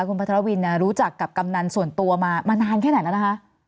คุณพัทรวินรู้จักกับกำนันส่วนตัวมานานแค่ไหนแล้วนะคะ